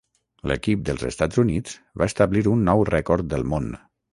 L'equip dels Estats Units va establir un nou rècord del món.